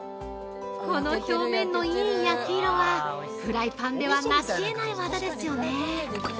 ◆この表面のいい焼き色はフライパンではなし得ない技ですよね！